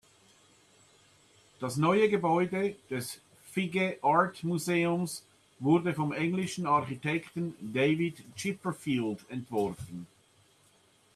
Das neue Gebäude des Figge Art Museums wurde vom englischen Architekten David Chipperfield entworfen.